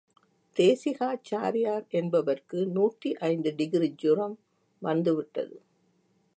தேசிகாச்சாரியார் என்பவருக்கு நூற்றி ஐந்து டிகிரி ஜுரம் வந்துவிட்டது.